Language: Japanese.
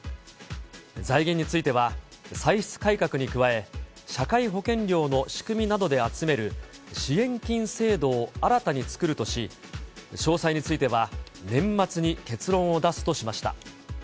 財源については、歳出改革に加え、社会保険料の仕組みなどで集める支援金制度を新たに作るとし、詳細については、年末に結論を出すとしました。